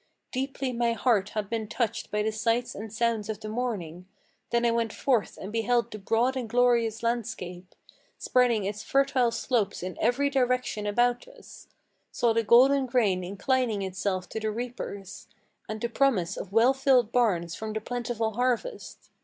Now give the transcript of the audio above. Deeply my heart had been touched by the sights and sounds of the morning; Then I went forth and beheld the broad and glorious landscape Spreading its fertile slopes in every direction about us, Saw the golden grain inclining itself to the reapers, And the promise of well filled barns from the plentiful harvest.